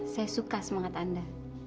saya suka semangat anda